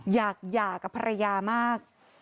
หยากหยากกับภรรยามาก